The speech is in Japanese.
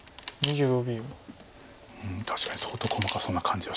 確かに相当細かそうな感じはしました。